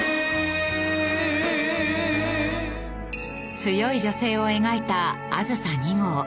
強い女性を描いた『あずさ２号』。